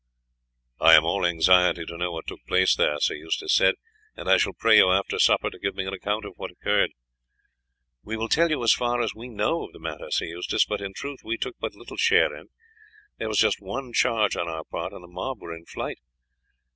"I am all anxiety to know what took place there," Sir Eustace said, "and I shall pray you after supper to give me an account of what occurred." "We will tell you as far as we know of the matter, Sir Eustace; but in truth we took but little share in it, there was just one charge on our part and the mob were in flight.